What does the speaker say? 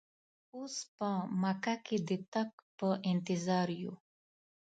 اوس په مکه کې د تګ په انتظار یو.